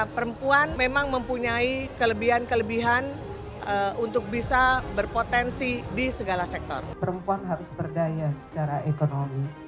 perempuan harus berdaya secara ekonomi